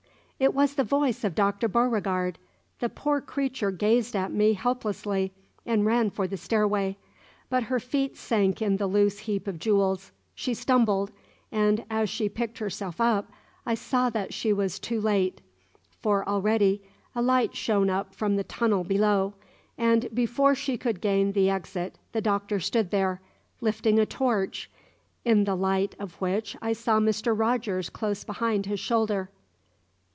It was the voice of Dr. Beauregard. The poor creature gazed at me helplessly and ran for the stairway. But her feet sank in the loose heap of jewels; she stumbled; and, as she picked herself up, I saw that she was too late; for already a light shone up from the tunnel below, and before she could gain the exit the Doctor stood there, lifting a torch, in the light of which I saw Mr. Rogers close behind his shoulder.